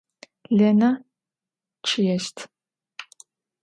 Lêne ççıêşt.